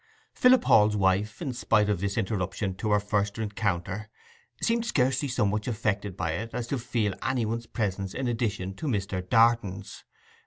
Philip Hall's wife, in spite of this interruption to her first rencounter, seemed scarcely so much affected by it as to feel any one's presence in addition to Mr. Darton's.